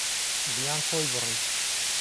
ڤیان خۆی بڕی.